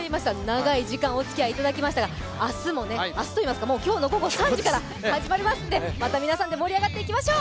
長い時間おつきあいいただきましたが、明日というか今日のもう午後３時から始まりますので、また皆さんで盛り上がっていきましょう！